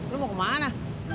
lu mau kemana